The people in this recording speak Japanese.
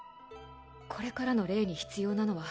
これからのレイに必要なのは